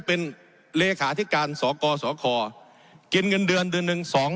เป็นเลขาธิการสกสคกินเงินเดือนเดือนหนึ่งสอง